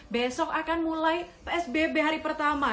besok akan mulai psbb hari pertama